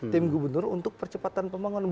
tim gubernur untuk percepatan pembangunan